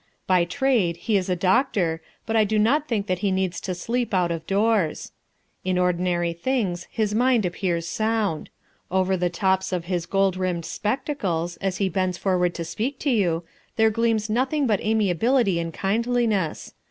By trade he is a doctor, but I do not think that he needs to sleep out of doors. In ordinary things his mind appears sound. Over the tops of his gold rimmed spectacles, as he bends forward to speak to you, there gleams nothing but amiability and kindliness.